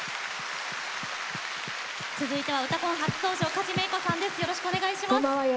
続いては「うたコン」初登場梶芽衣子さんです。